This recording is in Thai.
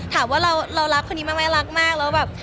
ถามว่าเรารักคนนี้มากแล้วแบบ